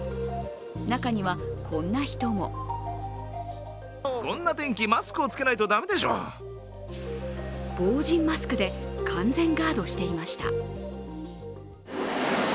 中には、こんな人も防じんマスクで完全ガードしていました。